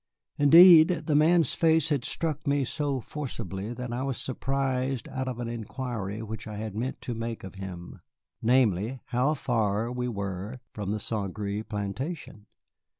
Indeed, the man's face had struck me so forcibly that I was surprised out of an inquiry which I had meant to make of him, namely, how far we were from the Saint Gré plantation.